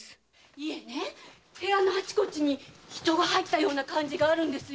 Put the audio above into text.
いえ部屋のあちこちに人が入ったような感じがあるんですよ。